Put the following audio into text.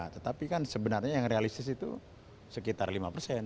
tetapi kan sebenarnya yang realistis itu sekitar lima persen